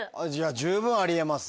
十分あり得ます。